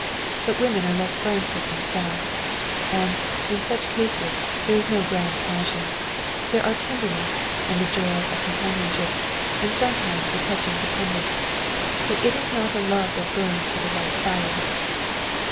But women are less frank with themselves. And, in such cases, there is no grand passion. There are tenderness, and the joy of companionship, and sometimes a touching dependence. But it is not a love that burns with a white fire.